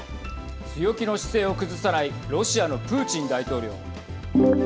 強気の姿勢を崩さないロシアのプーチン大統領。